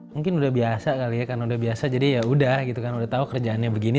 mungkin udah biasa kali ya karena udah biasa jadi ya udah gitu kan udah tau kerjaannya begini